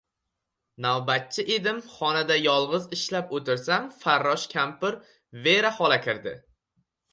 Navbatchi edim. Xonada yolg‘iz ishlab o‘tirsam, farrosh kampir Vera xola kirdi.